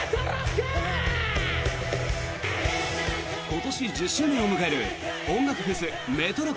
今年１０周年を迎える音楽フェス、ＭＥＴＲＯＣＫ。